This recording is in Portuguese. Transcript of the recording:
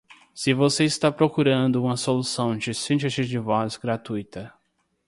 Se você está procurando uma solução de síntese de voz gratuita